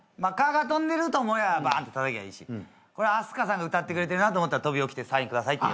蚊が飛んでると思えばバン！ってたたけばいいしＡＳＫＡさんが歌ってくれてるなと思ったら飛び起きてサインくださいって。